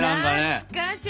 懐かしい。